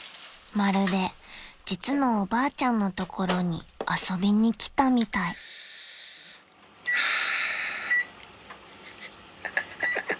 ［まるで実のおばあちゃんの所に遊びに来たみたい］ハァ。